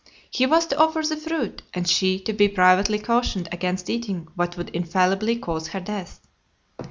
He was to offer the fruit, and she to be privately cautioned against eating what would infallibly cause her death.